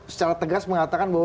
secara tegas mengatakan bahwa